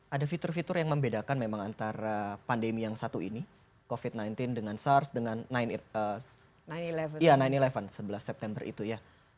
ada fitur fitur yang membedakan memang antara pandemi yang satu ini covid sembilan belas dengan sars dengan sembilan sebelas september itu ya